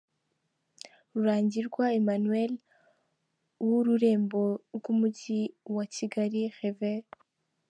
Rurangirwa Emmanuel; uw’ Ururembo rw’Umujyi wa Kigali, Rev.